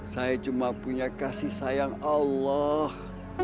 saya cuma punya kasih sayang allah